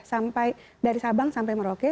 sampai dari sabang sampai merauke